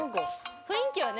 雰囲気はね